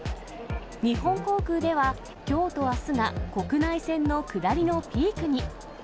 日本航空では、きょうとあすが国内線の下りのピークに。